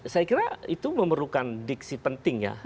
saya kira itu memerlukan diksi penting ya